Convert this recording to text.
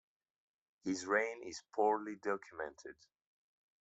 His reign is poorly documented.